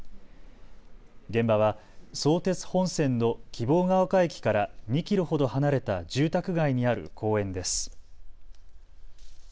現場は相鉄本線の希望ヶ丘駅から２キロほど離れた住宅街にある公園です。